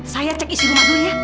saya cek isi rumah dulu ya